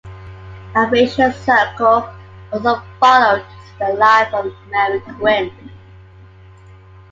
"A Vicious Circle" also follows the life of Mary Quinn.